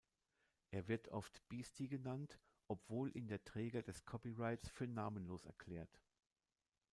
Er wird oft "Beastie" genannt, obwohl ihn der Träger des Copyrights für namenlos erklärt.